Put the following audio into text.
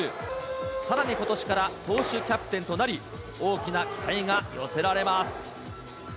さらにことしから、投手キャプテンとなり、大きな期待が寄せられます。